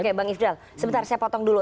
oke bang ifdal sebentar saya potong dulu